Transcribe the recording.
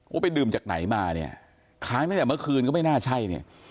ไปดื่มจากไหนมาเนี่ยค้างตั้งแต่เมื่อคืนก็ไม่น่าใช่เนี่ย